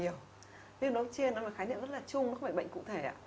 viêm đường hô hốp trên nó là khái niệm rất là chung nó không phải bệnh cụ thể